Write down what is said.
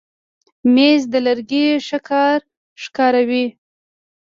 مېز د لرګي ښه کار ښکاروي.